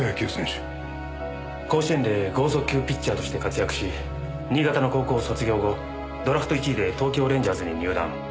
甲子園で剛速球ピッチャーとして活躍し新潟の高校を卒業後ドラフト１位で東京レンジャーズに入団。